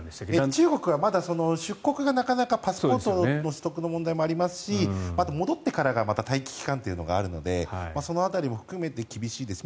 中国はまだ出国がなかなかパスポートの問題もありますし戻ってからが待機期間というのもありますからその辺りも含めて厳しいです。